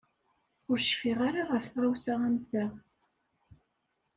Ur cfiɣ ara ɣef tɣawsa am ta.